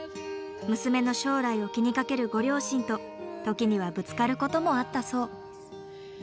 娘の将来を気にかけるご両親と時にはぶつかることもあったそう。